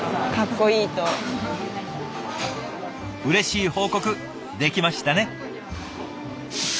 うれしい報告できましたね。